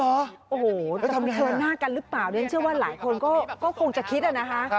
โอ้โหจะเผชิญหน้ากันหรือเปล่าเรียนเชื่อว่าหลายคนก็คงจะคิดอะนะคะ